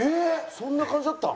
そんな感じだった？